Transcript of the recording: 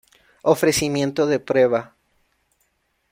Ofrecimiento de prueba.